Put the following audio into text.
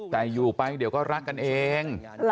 แต่อยู่ไปเดี๋ยวก็รักกันเอง